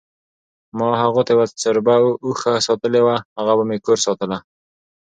ما هغو ته یوه څربه اوښه ساتلې وه، هغه به مې کور ساتله،